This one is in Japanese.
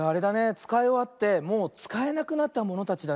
つかいおわってもうつかえなくなったものたちだね。